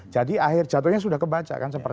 jadi akhir jadinya sudah kebaca